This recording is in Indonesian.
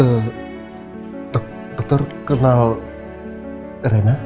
eh dokter kenal rena